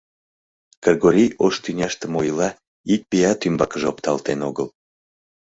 Кыргорий ош тӱняште мо ила — ик пият ӱмбакыже опталтен огыл.